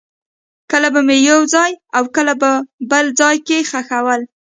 کله به مې یو ځای او کله بل ځای کې خښول.